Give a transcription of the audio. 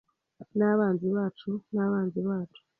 n’abanzi bacu n’abanzi bacu.